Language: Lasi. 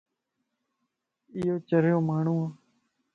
ايو چريو ماڻھون وَ